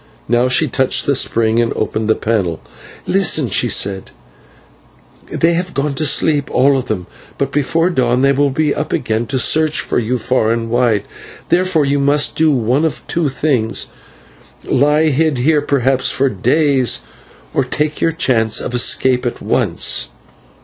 Now she touched the spring and opened the panel. "Listen," she said, "they have gone to sleep all of them, but before dawn they will be up again to search for you far and wide. Therefore you must do one of two things; lie hid here, perhaps for days, or take your chance of escape at once."